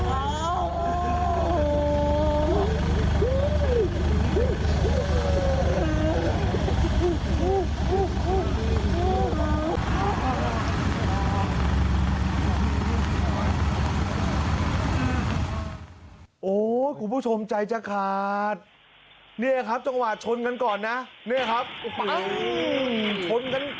โอ้โหคุณผู้ชมใจจะขาดเนี่ยครับจังหวะชนกันก่อนนะเนี่ยครับโอ้โหชนกัน